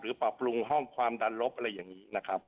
ปรับปรุงห้องความดันลบอะไรอย่างนี้นะครับ